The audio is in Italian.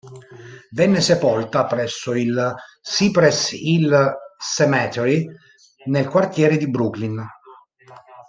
Venne sepolta presso il Cypress Hills Cemetery nel quartiere di Brooklyn.